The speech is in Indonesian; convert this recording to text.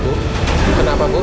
bu kenapa bu